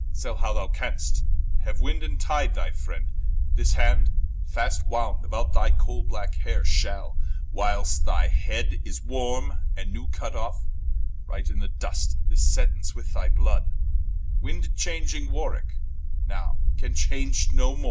Sayle how thou canst, Haue Winde and Tyde thy friend, This Hand, fast wound about thy coale black hayre, Shall, whiles thy Head is warme, and new cut off, Write in the dust this Sentence with thy blood, Wind changing Warwicke now can change no more.